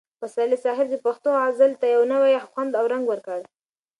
پسرلي صاحب د پښتو غزل ته یو نوی خوند او رنګ ورکړ.